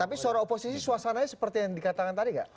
tapi seorang oposisi suasananya seperti yang dikatakan tadi nggak